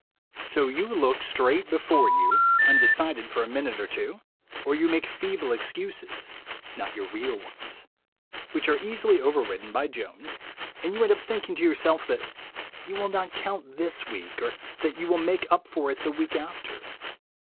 wSo you look straight before you, undecided for a minute or two, or you make feeble excuses (not your real ones) which are easily overridden by Jones, and you end by thinking to yourself that you will not count this week, or that you will make up for it the week after